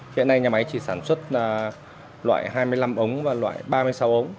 hiện nay nhà máy chỉ sản xuất loại hai mươi năm ống và loại ba mươi sáu ống